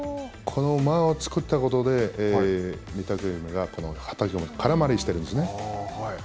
この間を作ったことで御嶽海のはたき込みが空回りしているんですね。